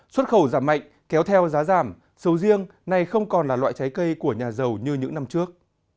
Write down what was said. xuất khẩu giảm mạnh kéo theo giá giảm sầu riêng nay không còn là loại trái cây của nhà giàu như những năm trước